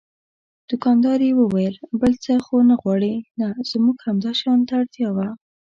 دوکاندارې وویل: بل څه خو نه غواړئ؟ نه، زموږ همدې شیانو ته اړتیا وه.